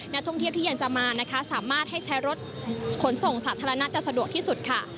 นักท่องเที่ยวที่ยังจะมานะคะสามารถให้ใช้รถขนส่งสาธารณะจะสะดวกที่สุดค่ะ